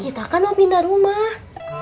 kita kan mau pindah rumah